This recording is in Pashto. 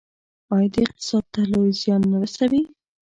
آیا دا اقتصاد ته لوی زیان نه رسوي؟